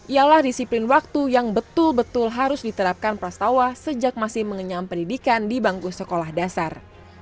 ialah disiplin waktu yang betul betul harus diterapkan pras tawa sejak masih mengenyam pendidikan di bangku sekolah dasar